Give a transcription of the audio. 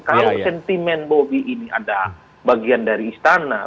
kalau sentimen bobi ini ada bagian dari istana